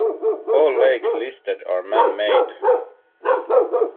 All lakes listed are man-made.